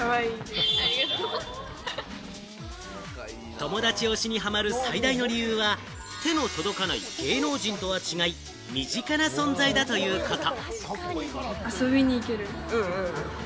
友達推しにはまる最大の理由は、手の届かない芸能人とは違い、身近な存在だということ。